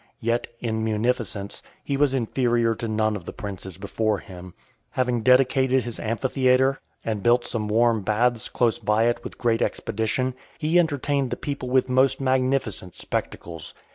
Yet, in munificence, he was inferior to none of the princes before him. Having dedicated his amphitheatre , and built some warm baths close by it with great expedition, he entertained the people with most magnificent spectacles.